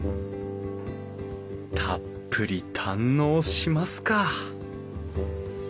たっぷり堪能しますか！